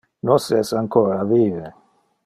Nos es ancora vive.